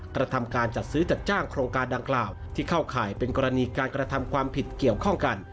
กระทำการจัดซื้อจัดจ้างโครงการดังกล่าวที่เข้าข่ายเป็นกรณีการกระทำความผิดเกี่ยวข้องกัน